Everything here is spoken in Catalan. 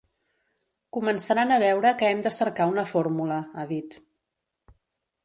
Començaran a veure que hem de cercar una fórmula, ha dit.